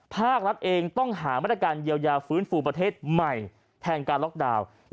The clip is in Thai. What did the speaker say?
ภาครัฐเองต้องหามาตรการเยียวยาฟื้นฟูประเทศใหม่แทนการล็อกดาวน์